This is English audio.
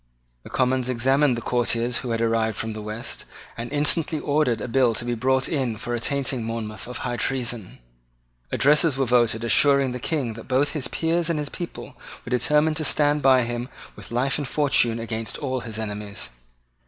The Commons examined the couriers who had arrived from the West, and instantly ordered a bill to be brought in for attainting Monmouth of high treason. Addresses were voted assuring the King that both his peers and his people were determined to stand by him with life and fortune against all his enemies.